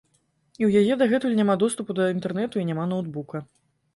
І ў яе дагэтуль няма доступу да інтэрнэту і няма ноўтбука.